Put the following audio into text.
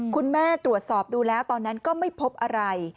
คุณแม่ตรวจสอบดูแล้วตอนนั้นก็ไม่พบอะไร